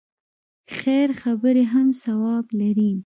خیر خبرې هم ثواب لري.